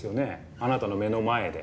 あなたの目の前で。